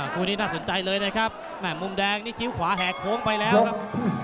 คู่นี้น่าสนใจเลยนะครับแม่มุมแดงนี่คิ้วขวาแห่โค้งไปแล้วครับ